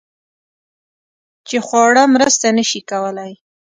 چې خواړه مرسته نشي کولی